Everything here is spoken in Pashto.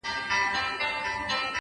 زه به د درد يوه بې درده فلسفه بيان کړم’